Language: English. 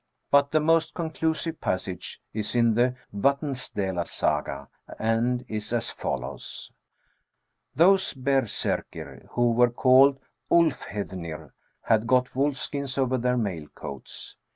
But the most conclusive passage is in the Yatns dsela Saga, and is as follows :—" Those berserkir who were called vlfhe^nir, had got wolf skins over their mail coats " (c.